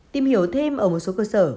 tìm hiểu thêm ở một số cơ sở